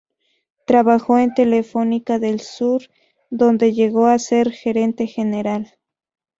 Trabajó en Telefónica del Sur, donde llegó a ser gerente general.